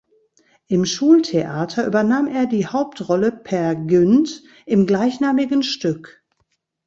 Im Schultheater übernahm er die Hauptrolle Peer Gynt im gleichnamigen Stück.